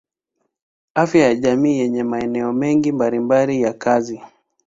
Afya ya jamii yenye maeneo mengi mbalimbali ya kazi.